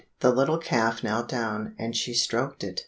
the little calf knelt down, and she stroked it.